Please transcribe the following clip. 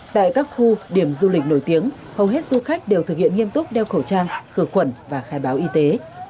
tại các khu điểm du lịch nổi tiếng hầu hết du khách đều thực hiện nghiêm túc đeo khẩu trang khử khuẩn và khai báo y tế